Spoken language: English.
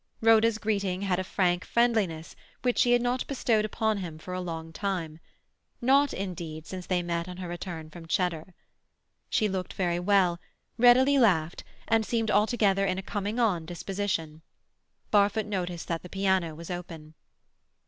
Rhoda's greeting had a frank friendliness which she had not bestowed upon him for a long time; not, indeed, since they met on her return from Cheddar. She looked very well, readily laughed, and seemed altogether in a coming on disposition. Barfoot noticed that the piano was open.